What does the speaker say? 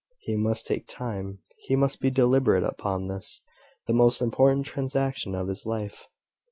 He must take time: he must be deliberate upon this, the most important transaction of his life.